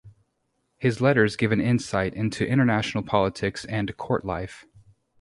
His letters give an insight into international politics and court life.